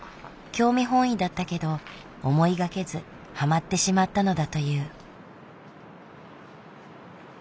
興味本位だったけど思いがけずハマってしまったのだという。